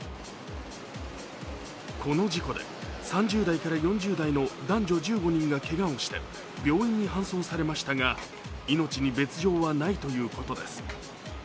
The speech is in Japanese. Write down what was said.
この事故で３０代から４０代の男女１５人がけがをして病院に搬送されましたが命に別状はないということです。